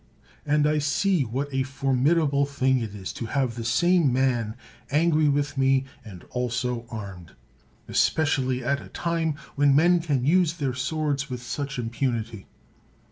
And I see what a formidable thing it is to have the same man angry with me and also armed; especially at a time when men can use their swords with such impunity.